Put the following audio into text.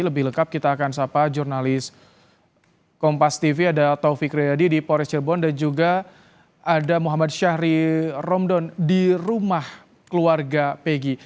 lebih lengkap kita akan sapa jurnalis kompas tv ada taufik riyadi di pores cirebon dan juga ada muhammad syahri romdon di rumah keluarga pegi